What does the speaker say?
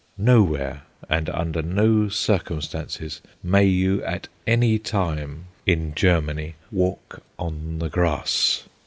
Nowhere, and under no circumstances, may you at any time in Germany walk on the grass.